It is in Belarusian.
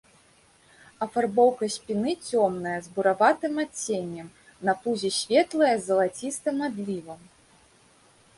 Афарбоўка спіны цёмная, з бураватым адценнем, на пузе светлая, з залацістым адлівам.